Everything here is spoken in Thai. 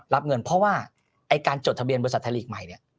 รับเงินเพราะไอ้การจดทะเบียนไทยหลีกใหม่เนี่ย